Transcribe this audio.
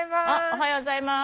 おはようございます。